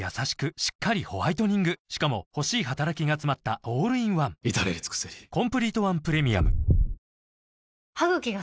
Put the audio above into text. しっかりホワイトニングしかも欲しい働きがつまったオールインワン至れり尽せりそうですよね。